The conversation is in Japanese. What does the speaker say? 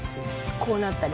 こうなったり。